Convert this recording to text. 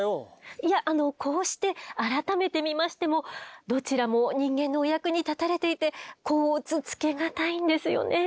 いやこうして改めてみましてもどちらも人間のお役に立たれていて甲乙つけがたいんですよねえ。